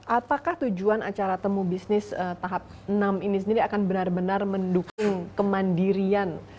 apakah tujuan acara temu bisnis tahap enam ini sendiri akan benar benar mendukung kemandirian